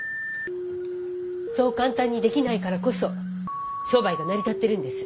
そう簡単にできないからこそ商売が成り立ってるんです。